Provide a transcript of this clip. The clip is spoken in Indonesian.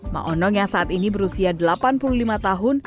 ma'onong yang saat ini berusia delapan puluh lima tahun